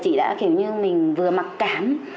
chị đã kiểu như mình vừa mặc cảm